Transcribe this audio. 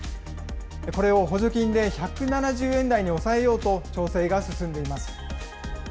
これを補助金で１７０円台に抑えようと調整が進んでいます。